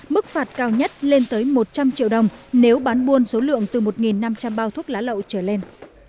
mức phạt cao nhất lên tới một trăm linh triệu đồng nếu bán buôn số lượng từ một năm trăm linh bao thuốc lá lậu trở lên